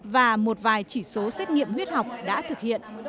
và một vài chỉ số xét nghiệm huyết học đã thực hiện